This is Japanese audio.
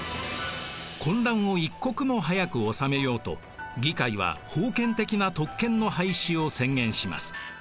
混乱を一刻も早く収めようと議会は封建的な特権の廃止を宣言します。